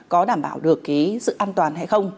có đảm bảo được sự an toàn hay không